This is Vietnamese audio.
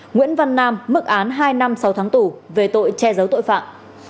nguyễn văn nam mức án hai năm sáu tháng tù về tội che giấu tội phạm